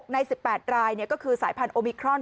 ใน๑๘รายก็คือสายพันธุมิครอน